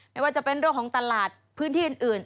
ไม่ว่าจะเป็นเรื่องของตลาดพื้นที่อื่น